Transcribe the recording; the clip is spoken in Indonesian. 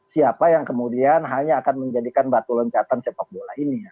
siapa yang kemudian hanya akan menjadikan batu loncatan sepak bola ini